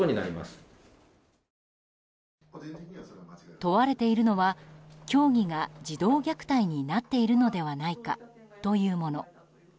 問われているのは教義が児童虐待になっているのではないかというもの。